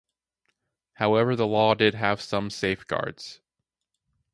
However the law did have some safeguards.